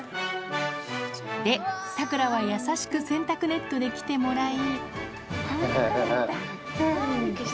で、サクラはやさしく洗濯ネットで来てもらい。